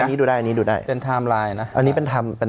อันนี้ดูได้อันนี้ดูได้เป็นไทม์ไลน์นะอันนี้เป็นไทม์เป็น